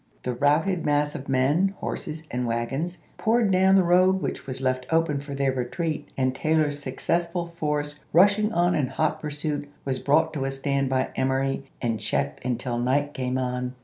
The routed mass of men, horses, and wagons poured down the road which was left open for their retreat, and Taylor's successful force, rushing on in hot pur suit, was brought to a stand by Emory, and checked until night came on.